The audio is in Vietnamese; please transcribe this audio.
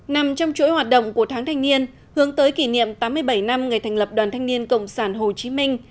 nằm trong chuỗi hoạt động của tháng thanh niên hướng tới kỷ niệm tám mươi bảy năm ngày thành lập đoàn thanh niên cộng sản hồ chí minh